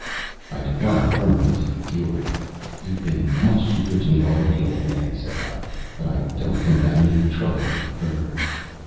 I declined firmly to be cured. "You've been much too good to me already, old man," said I; "but I don't think I need trouble you further."